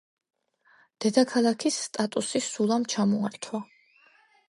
დედაქალაქის სტატუსი სულამ ჩამოართვა.